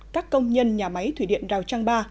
các công nhân nhà máy thủy điện rào trang ba